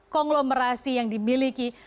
konglomerasi yang dimiliki